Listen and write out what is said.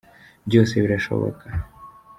Byose birashoboka.